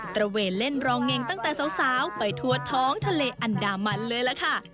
ระเวนเล่นรองเงงตั้งแต่สาวไปทั่วท้องทะเลอันดามันเลยล่ะค่ะ